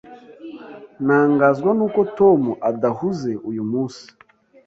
Ntangazwa nuko Tom adahuze uyu munsi.